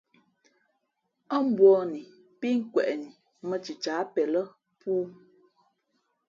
Ά mbūαni pí nkweꞌni mᾱ cicǎh pen lά pōō.